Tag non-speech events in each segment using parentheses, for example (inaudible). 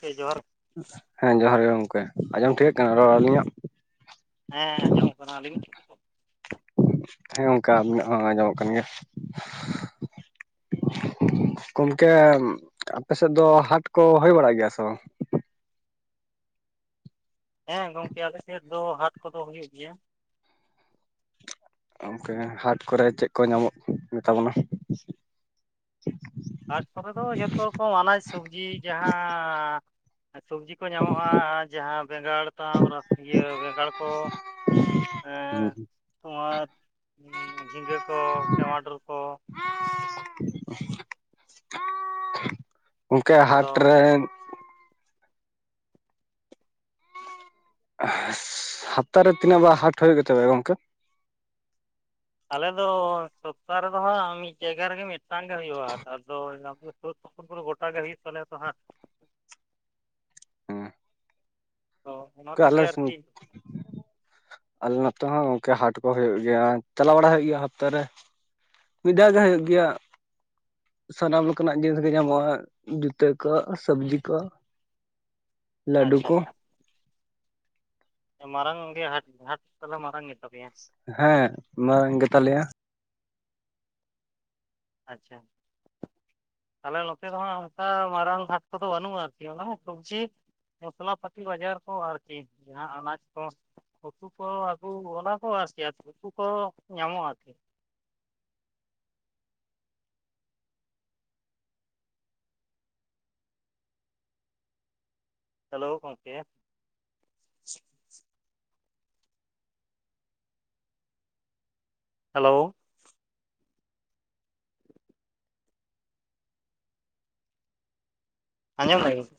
ᱦᱮᱸ ᱡᱚᱦᱟᱨ, ᱦᱮᱸ ᱡᱚᱦᱟᱨ ᱜᱮ ᱜᱚᱝᱠᱮ ᱟᱸᱡᱚᱢ ᱴᱷᱤᱠᱟᱹᱜ ᱠᱟᱱᱟ ᱨᱚᱲ ᱟᱹᱞᱤᱧᱟᱜ? ᱦᱮᱸ ᱟᱸᱡᱚᱢᱚᱜ ᱠᱟᱱᱟ ᱟᱹᱞᱤᱧ ᱦᱮᱸ ᱜᱚᱢᱠᱮ ᱟᱵᱤᱱᱟᱜ ᱦᱚᱸ ᱟᱸᱡᱚᱢᱚᱜ ᱠᱟᱱ ᱜᱮᱭᱟ᱾ ᱜᱚᱝᱠᱮ ᱟᱯᱮ ᱥᱮᱫ ᱫᱚ ᱦᱟᱴ ᱠᱚ ᱦᱩᱭ ᱵᱟᱲᱟᱜ ᱜᱮᱭᱟ ᱥᱮ ᱵᱟᱝ? ᱦᱮᱸ ᱜᱚᱝᱠᱮ ᱟᱞᱮ ᱥᱮᱫ ᱫᱚ ᱦᱟᱴ ᱠᱚᱫᱚ ᱦᱩᱭᱩᱜ ᱜᱮᱭᱟ᱾ ᱜᱚᱢᱠᱮ ᱦᱟᱴ ᱠᱚᱨᱮ ᱪᱮᱫ ᱠᱚ ᱧᱟᱢᱚᱜ ᱜᱮ ᱛᱟᱵᱚᱱᱟ? ᱦᱟᱴ ᱠᱚᱨᱮ ᱫᱚ ᱡᱚᱛᱚ ᱨᱚᱠᱚᱢ ᱟᱱᱟᱡᱽ ᱥᱚᱵᱡᱤ ᱡᱟᱦᱟᱸ (inaudible) ᱥᱚᱵᱽᱡᱤ ᱠᱚ ᱧᱟᱢᱚᱜᱼᱟ ᱡᱟᱦᱟᱸ ᱵᱮᱸᱜᱟᱲ ᱛᱟᱢ ᱨᱟᱥᱤᱭᱟᱹ ᱵᱮᱸᱜᱟᱲ ᱠᱚ ᱛᱩᱢᱟᱨ ᱡᱷᱤᱸᱜᱟᱹ ᱠᱚ ᱴᱮᱢᱟᱴᱳᱚᱨ ᱠᱚ, ᱜᱚᱝᱠᱮ ᱟᱫᱚ ᱦᱟᱴ ᱨᱮᱱ ᱦᱟᱯᱛᱟ ᱨᱮ ᱛᱤᱱᱟᱹᱜ ᱵᱟᱨ ᱦᱟᱴ ᱦᱩᱭᱩᱜ ᱜᱮᱛᱟ ᱯᱮᱭᱟ ᱜᱚᱝᱠᱮ? ᱟᱞᱮ ᱫᱚ ᱥᱚᱯᱛᱟᱦᱚ ᱨᱮᱫᱚ ᱦᱟᱸᱜ ᱢᱤᱫ ᱡᱟᱭᱜᱟ ᱨᱮᱜᱮ ᱢᱤᱫᱴᱟᱝ ᱜᱮ ᱦᱩᱭᱩᱜᱼᱟ᱾ ᱟᱫᱚ (unintelligible) ᱜᱚᱴᱟ ᱜᱮ ᱦᱩᱭᱩᱜ ᱛᱟᱞᱮᱭᱟ ᱛᱚ ᱦᱟᱜ, ᱦᱮᱸ ᱚ (unintelligible) ᱟᱞᱮ ᱱᱚᱛᱮ ᱦᱚᱸ ᱜᱚᱝᱠᱮ ᱦᱟᱴ ᱠᱚ ᱦᱩᱭᱩᱜ ᱜᱮᱭᱟ ᱪᱟᱞᱟᱣ ᱵᱟᱲᱟ ᱦᱩᱭᱩᱜ ᱜᱮᱭᱟ ᱦᱟᱯᱛᱟ ᱨᱮ᱾ ᱢᱤᱫ ᱫᱷᱟᱣ (unintelligible) ᱥᱟᱱᱟᱢ ᱞᱮᱠᱟᱱᱟᱜ ᱡᱤᱱᱤᱥ ᱜᱮ ᱧᱟᱢᱚᱜᱼᱟ ᱦᱟᱜ ᱡᱩᱛᱟᱹ ᱠᱚ ᱥᱚᱵᱡᱤ ᱠᱚ᱾ ᱞᱟᱰᱩ ᱟᱪᱪᱷᱟ ᱠᱚ᱾ ᱟᱪᱪᱷᱟ ᱢᱟᱨᱟᱝ ᱜᱮ ᱦᱟᱴ ᱦᱟᱴ ᱠᱚᱫᱚ ᱢᱟᱨᱟᱝ ᱜᱮᱛᱟ ᱯᱮᱭᱟ? ᱦᱮᱸ ᱢᱟᱨᱟᱝ ᱜᱮᱛᱟ ᱞᱮᱭᱟ᱾ ᱟᱪᱪᱷᱟ᱾ ᱟᱞᱮ ᱱᱚᱛᱮ ᱫᱚ ᱦᱟᱸᱜ ᱚᱱᱠᱟ ᱢᱟᱨᱟᱝ ᱦᱟᱴ ᱠᱚᱫᱚ ᱵᱟᱹᱱᱩᱜᱼᱟ᱾ ᱟᱨᱠᱤ ᱚᱱᱟ ᱥᱚᱵᱡᱤ ᱢᱚᱥᱞᱟᱯᱟᱹᱛᱤ ᱵᱟᱡᱟᱨ ᱠᱚ ᱟᱨᱠᱤ ᱡᱟᱦᱟ ᱟᱱᱟᱡᱽ ᱠᱚ᱾ ᱩᱛᱩ ᱠᱚ ᱟᱹᱜᱩ ᱚᱱᱟ ᱠᱚ ᱟᱥᱠᱤ ᱩᱛᱩ ᱠᱚᱦᱚᱸ ᱧᱟᱢᱚᱜᱼᱟ ᱟᱨᱠᱤ᱾ ᱦᱮᱞᱳ ᱜᱚᱝᱠᱮ᱾ ᱦᱮᱞᱳ᱾ (unintelligible)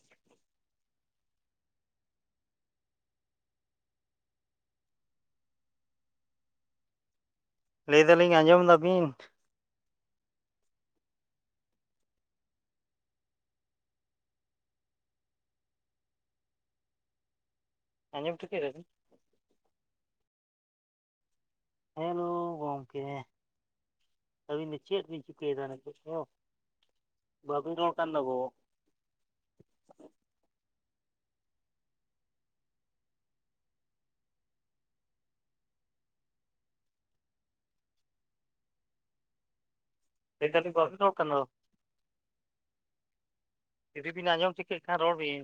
ᱞᱟᱹᱭ ᱫᱟᱞᱤᱧ ᱟᱸᱡᱚᱢ ᱫᱟ ᱵᱤᱱ? ᱟᱸᱡᱚᱢ ᱴᱷᱤᱠᱟᱭ ᱫᱟᱵᱤᱱ? ᱦᱮᱞᱳ ᱜᱚᱝᱠᱮ ᱾ ᱟᱵᱤᱱ ᱫᱚ ᱪᱮᱫ ᱵᱤᱱ ᱱᱪᱤᱠᱟᱭᱫᱟ ᱱᱤᱛᱚᱜ ᱫᱚ ᱵᱟᱵᱮᱱ ᱨᱚᱨ ᱠᱟᱱ ᱫᱚᱜᱚ? (unintelligible) ᱡᱩᱫᱤ ᱵᱤᱱ ᱟᱸᱡᱚᱢ ᱴᱷᱤᱠᱟᱹᱭᱮᱫ ᱠᱷᱟᱱ ᱨᱚᱲ ᱵᱤᱱ᱾